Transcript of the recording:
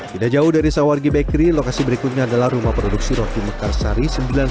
tidak jauh dari sawargi bakery lokasi berikutnya adalah rumah produksi roti mekarsari sembilan puluh sembilan